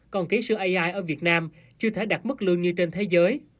còn ký sư ai ở việt nam chưa thể đạt mức lương như trên thế giới